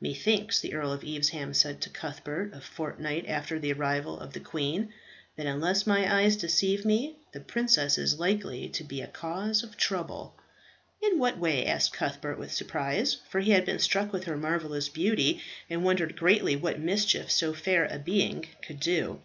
"Methinks," the Earl of Evesham said to Cuthbert, a fortnight after the arrival of the queen, "that unless my eyes deceive me, the princess is likely to be a cause of trouble." "In what way?" asked Cuthbert with surprise, for he had been struck with her marvellous beauty, and wondered greatly what mischief so fair a being could do.